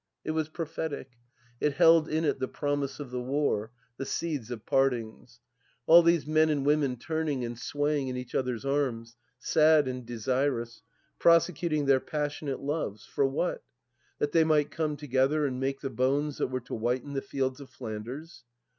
It was prophetic. It held in it the promise of the war, the seeds of partings. ... All these men and women turning and swaying in each other's arms, sad and desirous, prosecuting their passionate loves — ^for what? That they might come together and make the bones that were to whiten the fields of Flanders